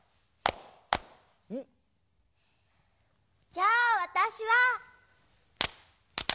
じゃあわたしは。